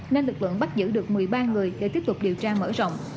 nên lực lượng bắt giữ được một mươi ba người để tiếp tục điều tra mở rộng